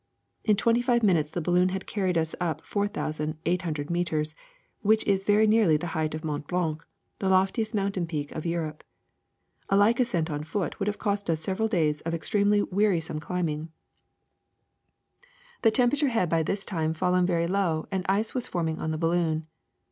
'* 'In twenty five minutes the balloon had carried us up four thousand, eight hundred meters, which is very nearly the height of Mont Blanc, the loftiest mountain peak of Europe. A like ascent on foot would have cost us several days of extremely weari 326 THE SECRET OF EVERYDAY THINGS some climbing. The temperature had by this time fallen very low, and ice was forming on the balloon.